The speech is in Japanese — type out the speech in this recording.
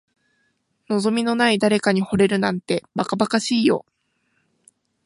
望みのない誰かに惚れるなんて、ばかばかしいよ。